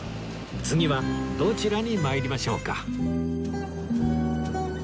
次はどちらに参りましょうか？